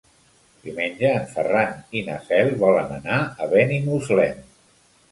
Diumenge en Ferran i na Cel volen anar a Benimuslem.